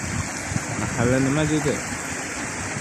Mahalla nima dedi?